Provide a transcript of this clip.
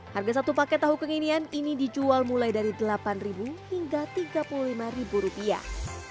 harga satu paket tahu kenginan ini dijual mulai dari delapan hingga tiga puluh lima rupiah